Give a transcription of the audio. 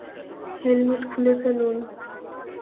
Helmet খুলে ফেলুন।